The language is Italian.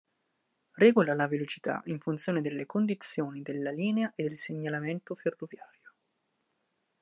Regola la velocità in funzione delle condizioni della linea e del segnalamento ferroviario.